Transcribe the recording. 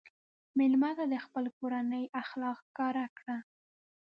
مېلمه ته د خپلې کورنۍ اخلاق ښکاره کړه.